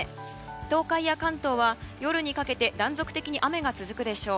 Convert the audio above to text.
東海や関東は夜にかけて断続的に雨が続くでしょう。